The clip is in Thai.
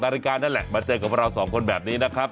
นาฬิกานั่นแหละมาเจอกับเราสองคนแบบนี้นะครับ